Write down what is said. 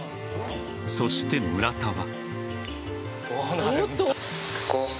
そして村田は。